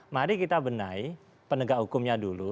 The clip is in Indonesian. mari kita benahi penegak hukumnya dulu